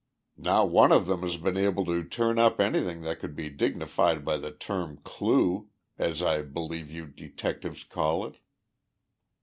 "Not one of them has been able to turn up anything that could be dignified by the term clue, as I believe you detectives call it."